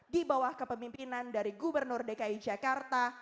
di bawah kepemimpinan dari gubernur dki jakarta